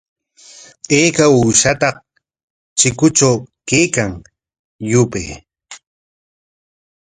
¿Ayka uushata chikutraw kaykan? Yupay.